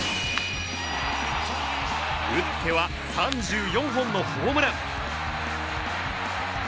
打っては３４本のホームラン！